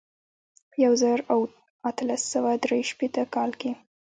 په یو زر او اتلس سوه درې شپېته کال کې.